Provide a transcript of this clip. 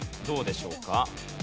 どうでしょうか？